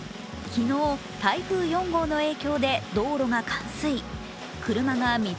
昨日、台風４号の影響で道路が冠水。